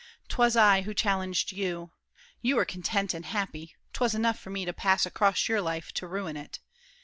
'Twas I who challenged you. You were content And happy: 'twas enough for me to pass Across your life to ruin it.